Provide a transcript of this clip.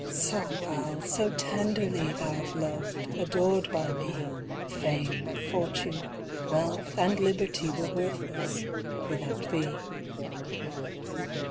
so well, so tenderly Thou'rt loved, adored by me, Fame, fortune, wealth, and liberty, Were worthless without thee.